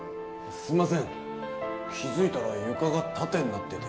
すみません気付いたら床が縦になってて。